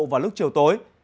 và lúc chiều tối